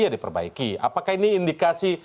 ya diperbaiki apakah ini indikasi